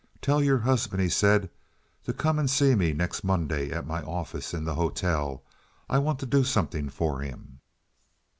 "Tell your husband," he said, "to come and see me next Monday at my office in the hotel. I want to do something for him."